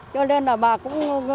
cho nên là bà cũng